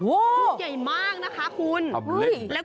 โอ้แย่มากนะคะคุณอำเลส